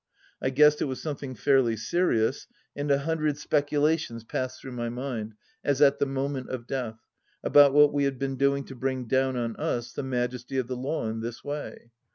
I guessed it was something fairly serious, and a hundred speculations passed through my mind, as at the moment of death, about what we had been doing to bring down on us the majesty of the law in this way.